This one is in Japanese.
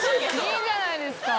いいじゃないですか。